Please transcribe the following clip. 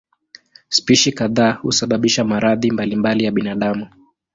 Spishi kadhaa husababisha maradhi mbalimbali ya binadamu.